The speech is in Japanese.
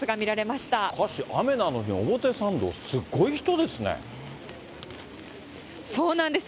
しかし雨なのに、表参道、すごい人ですね。